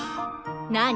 何？